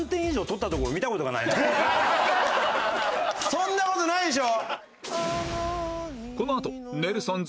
そんな事ないでしょ！